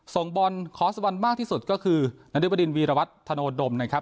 ส่งบอลคอสบอลมากที่สุดก็คือนริบดินวีรวัตธโนดมนะครับ